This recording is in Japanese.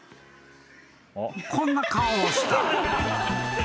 ［こんな顔をした］